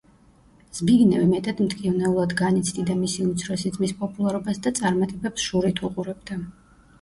ზბიგნევი მეტად მტკივნეულად განიცდიდა მისი უმცროსი ძმის პოპულარობას და წარმატებებს შურით უყურებდა.